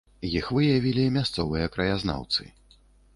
Іх выявілі мясцовыя краязнаўцы.